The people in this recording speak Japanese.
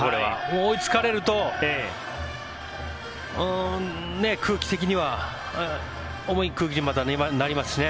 追いつかれると空気的には重い空気になりますしね。